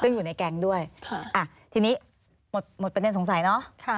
ซึ่งอยู่ในแก๊งด้วยทีนี้หมดประเด็นสงสัยเนาะ